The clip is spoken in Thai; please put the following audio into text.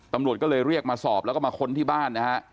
ตำรวจก็เลยเรียกมาสอบแล้วก็มาค้นที่บ้านนะฮะ